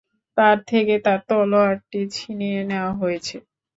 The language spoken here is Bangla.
তার থেকে তার তলোয়ারটি ছিনিয়ে নেয়া হয়েছে।